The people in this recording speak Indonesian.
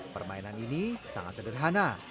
permainan ini sangat sederhana